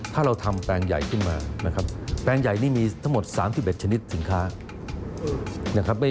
ถ้าเราทำแปลงใหญ่ขึ้นมาแปลงใหญ่นี่มีทั้งหมด๓๑ชนิดสินค้า